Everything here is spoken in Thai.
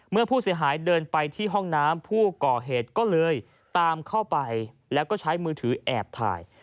เมื่อผู้เสียหายเดินไปที่ห้องน้ำผู้ก่อเหตุก็เลยตามเข้าไปแล้วก็ใช้มือถือแอบถ่าย